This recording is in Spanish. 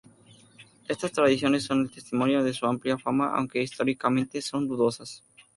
Estas tradiciones son el testimonio de su amplia fama, aunque históricamente son dudosas.